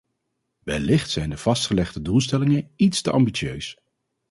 Wellicht zijn de vastgelegde doelstellingen iets te ambitieus.